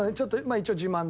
一応自慢でね。